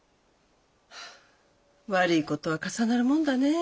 悪い事は重なるもんだねぇ。